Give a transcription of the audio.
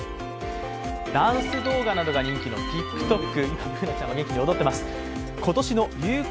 ダンス動画などが人気のＴｉｋＴｏｋ。